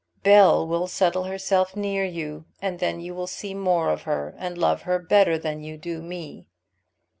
"Bell will settle herself near you, and then you will see more of her and love her better than you do me."